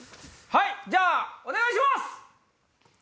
じゃあお願いします！